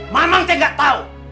mamang tidak tahu